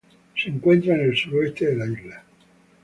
Se encuentra en el suroeste de la isla.